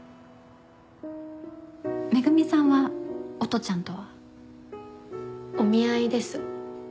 恵美さんは音ちゃんとは？お見合いです。